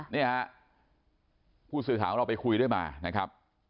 นี่ฮะผู้สื่อข่าวของเราไปคุยด้วยมานะครับ